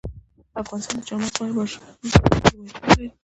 افغانستان د چار مغز په اړه مشهور تاریخی روایتونه لري.